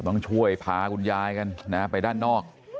ต้องช่วยพาคุณยายกันไปด้านนอก